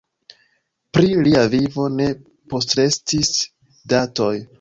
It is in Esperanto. Pri lia vivo ne postrestis datoj.